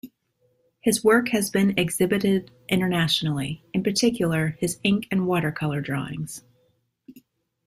His work has been exhibited internationally, in particular his ink and watercolor drawings.